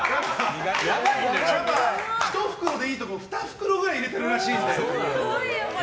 １袋でいいところを２袋くらい入れてるらしいんで。